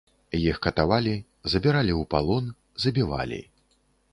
Іх катавалі, забіралі ў палон, забівалі.